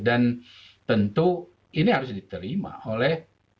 dan tentu ini harus diterima oleh peneliti